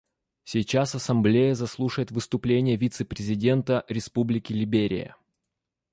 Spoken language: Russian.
Сейчас Ассамблея заслушает выступление вице-президента Республики Либерия.